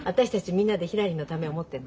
みんなでひらりのためを思ってるのにね。